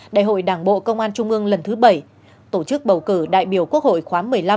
đại hội đảng bộ công an trung ương lần thứ bảy tổ chức bầu cử đại biểu quốc hội khóa một mươi năm